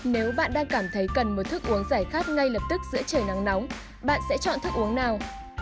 nếu bạn đang cảm thấy cần một thức uống giải khát ngay lập tức giữa trời nắng nóng bạn sẽ chọn thức uống nào